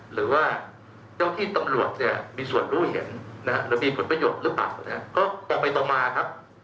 หรือมีผลประโยชน์หรือเปล่าก็ต่อไปต่อมาครับ